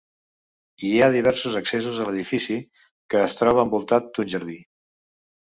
Hi ha diversos accessos a l'edifici, que es troba envoltat d'un jardí.